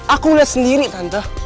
aku liat sendiri tante